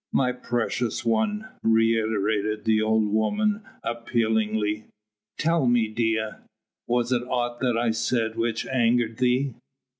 "My precious one," reiterated the old woman appealingly, "tell me, Dea was it aught that I said which angered thee?"